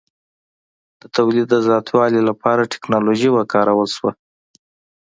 د تولید د زیاتوالي لپاره ټکنالوژي وکارول شوه.